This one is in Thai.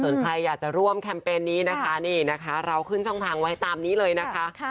ส่วนใครอยากจะร่วมแคมเปญนี้นะคะนี่นะคะเราขึ้นช่องทางไว้ตามนี้เลยนะคะ